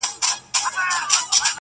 • پرده به خود نو، گناه خوره سي.